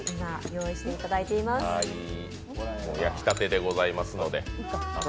焼きたてでございますので。